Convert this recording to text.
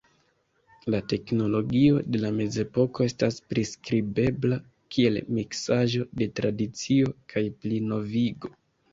La teknologio de la Mezepoko estas priskribebla kiel miksaĵo de tradicio kaj plinovigo.